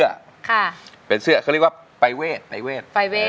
เปลี่ยนเสื้อเขาเรียกว่าปลายเวท